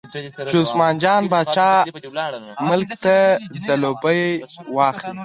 چې عثمان جان باچا ملک ته ځلوبۍ واخلي.